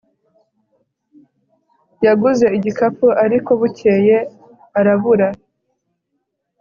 yaguze igikapu, ariko bukeye arabura